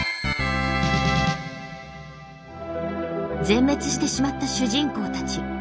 全滅してしまった主人公たち。